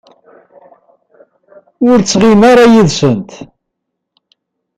Ur ttɣimi ara yid-sent.